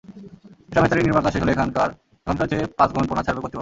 এসব হ্যাচারির নির্মাণকাজ শেষ হলে এখনকার চেয়ে পাঁচ গুণ পোনা ছাড়বে কর্তৃপক্ষ।